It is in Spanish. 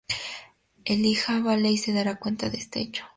Elijah Baley se dará cuenta de este hecho.